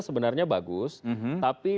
sebenarnya bagus tapi